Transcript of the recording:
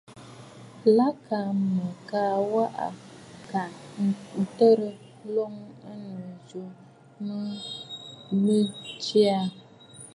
Lâ kaa mə̀ ka waꞌà kà ǹtərə nloŋ ɨnnù jû mə mə̀ yə aà.